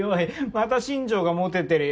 また新条がモテてるよ。